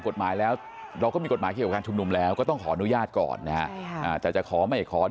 ประเด็ดการโดดไตร